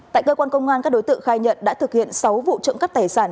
tại cơ quan công an các đối tượng khai nhận đã thực hiện sáu vụ trộm cắp tài sản